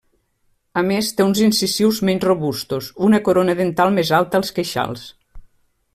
A més té uns incisius menys robustos, una corona dental més alta als queixals.